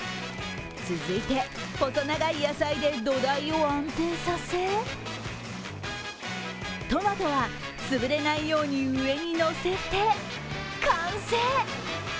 続いて、細長い野菜で土台を安定させトマトはつぶれないように上にのせて、完成。